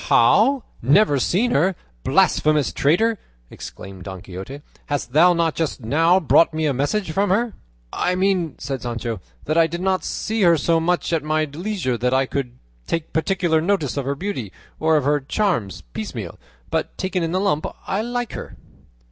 "How! never seen her, blasphemous traitor!" exclaimed Don Quixote; "hast thou not just now brought me a message from her?" "I mean," said Sancho, "that I did not see her so much at my leisure that I could take particular notice of her beauty, or of her charms piecemeal; but taken in the lump I like her."